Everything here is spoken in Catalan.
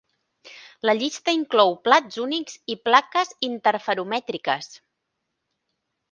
La llista inclou plats únics i plaques interferomètriques.